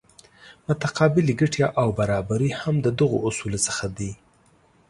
متقابلې ګټې او برابري هم د دغو اصولو څخه دي.